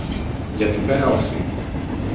Για την πέρα όχθη.